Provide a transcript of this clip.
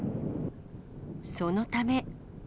そのため。